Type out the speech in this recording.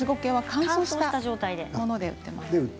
乾燥した状態で売っています。